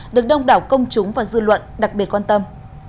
được đông đảo công chúng và dư luận đặc biệt quan tâm